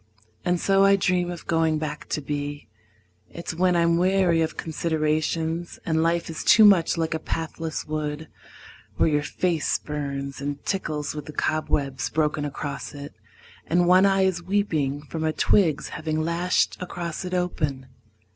And so I dream of going back to be. It's when I'm weary of considerations, And life is too much like a pathless wood Where your face burns and tickles with the cobwebs Broken across it, and one eye is weeping From a twig's having lashed across it open.